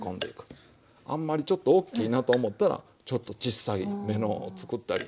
あんまりちょっとおっきいなと思ったらちょっとちっさめのを作ったり。